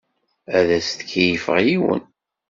Ad as-d-keyyfeɣ yiwen.